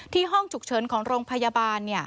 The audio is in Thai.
ห้องฉุกเฉินของโรงพยาบาล